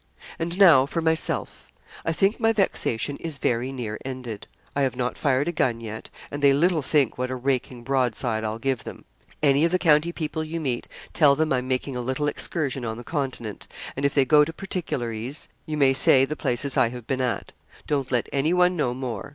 And now for myself: I think my vexation is very near ended. I have not fired a gun yet, and they little think what a raking broadside I'll give them. Any of the county people you meet, tell them I'm making a little excursion on the Continent; and if they go to particularise, you may say the places I have been at. Don't let anyone know more.